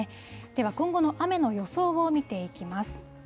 では今後の雨の予想を見ていきます。